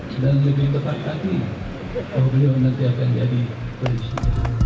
jika lebih tepat lagi beliau nanti akan jadi presiden